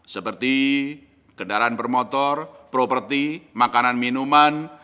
seperti kendaraan bermotor properti makanan minuman